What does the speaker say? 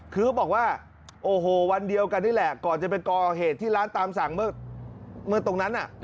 คือเขาบอกว่าโอ้โหวันเดียวกันนี่แหละก่อนจะไปก่อเหตุที่ร้านตามสั่งเมื่อตรงนั้น